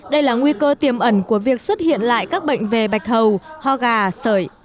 đây là nguy cơ tiềm ẩn của việc xuất hiện lại các bệnh về bạch hầu ho gà sởi